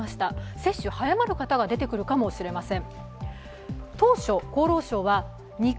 接種早まる方が出てくるかもしれません。